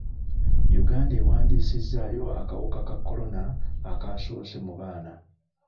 Uganda ewandiisizzayo akawuka ka kolona akasoose mu baana.